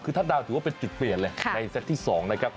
คือทัศน์ดาวถือว่าเป็นจุดเปลี่ยนเลยในเซตที่๒นะครับ